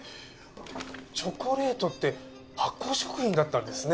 チョコレートって発酵食品だったんですね。